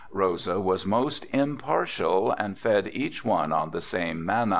Rosa was most impartial and fed each on the same manna.